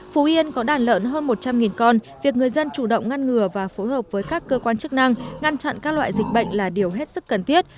phú yên có đàn lợn hơn một trăm linh con việc người dân chủ động ngăn ngừa và phối hợp với các cơ quan chức năng ngăn chặn các loại dịch bệnh là điều hết sức cần thiết